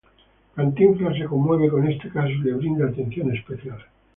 Cantinflas se conmueve con este caso y le brinda atención especial.